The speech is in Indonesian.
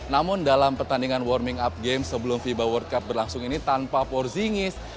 namun dalam pertandingan warming up games sebelum fiba world cup berlangsung ini tanpa porzingis